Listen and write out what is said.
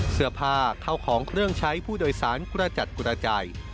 เสื้อผ้าเข้าของเครื่องใช้ผู้โดยสารกระจัดกระจาย